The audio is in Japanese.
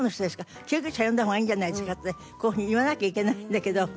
「救急車呼んだ方がいいんじゃないですか？」ってこういうふうに言わなきゃいけないんだけど。